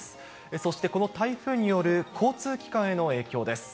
そしてこの台風による交通機関への影響です。